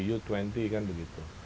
u dua puluh kan begitu